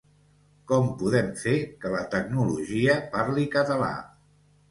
Com podem fer que la tecnologia parli català?